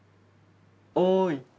おい？